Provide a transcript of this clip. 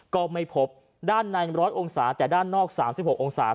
ก็ไม่พบด้านใน๑๐๐องศาเซลเซียสแต่ด้านนอก๓๖องศาเซียเซีย